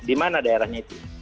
di mana daerahnya itu